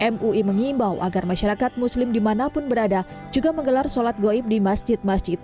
mui mengimbau agar masyarakat muslim dimanapun berada juga menggelar sholat goib di masjid masjid